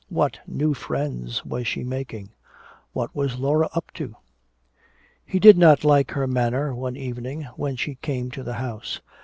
What new friends was she making? What was Laura up to? He did not like her manner, one evening when she came to the house.